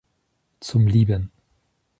Zum Lieben.